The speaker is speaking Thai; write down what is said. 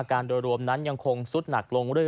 อาการโดยรวมยังคงซุดหนักเรื่อย